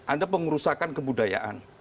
ada pengurusakan kebudayaan